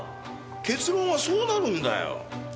結論はそうなるんだよ。